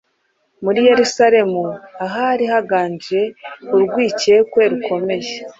Muri Yerusalemu ahari haganje urwikekwe rukomeye